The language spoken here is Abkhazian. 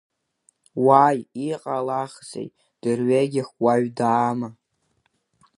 Уааи, иҟалахзеи, дырҩегьых уаҩ даама?